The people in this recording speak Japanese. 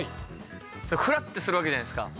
ふらってするわけじゃないですか。